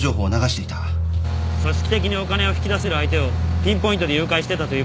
組織的にお金を引き出せる相手をピンポイントで誘拐してたということか。